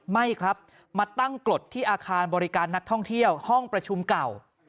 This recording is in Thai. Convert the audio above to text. ไม่ครับมาตั้งกรดที่อาคารบริการนักท่องเที่ยวห้องประชุมเก่า